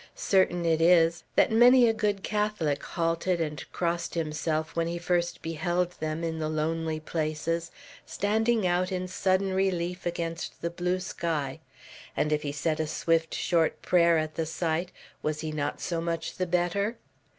Certain it is, that many a good Catholic halted and crossed himself when he first beheld them, in the lonely places, standing out in sudden relief against the blue sky; and if he said a swift short prayer at the sight, was he not so much the better?